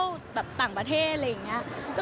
แล้วก็ด้วยความที่อุ่นวายคิวไม่ลองตัวอะไรอย่างเงี้ย